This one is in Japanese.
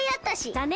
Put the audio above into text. だね。